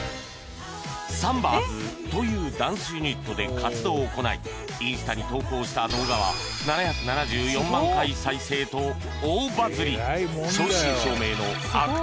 三婆ズというダンスユニットで活動を行いインスタに投稿した動画は７７４万回再生と大バズり